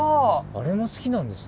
あれも好きなんですね。